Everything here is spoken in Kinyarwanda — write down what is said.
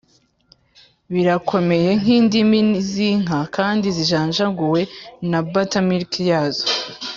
birakomeye nkindimi zinka kandi zijanjaguwe na buttermilk yazo